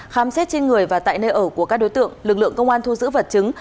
khám xét trên người và tại nơi ở của các đối tượng lực lượng công an thu giữ vật chứng